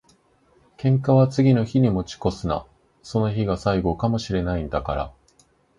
喧嘩は次の日に持ち越すな。その日が最後かも知れないんだから。